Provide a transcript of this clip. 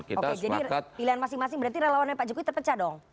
oke jadi pilihan masing masing berarti relawannya pak jokowi terpecah dong